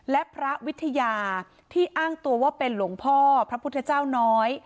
และพระวิทยาที่อ้างตัวว่าเป็นหลวงพ่อพระพุทธเจ้าน้อย